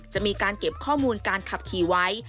จะมีการเก็บข้อมูลการขับขี่ไว้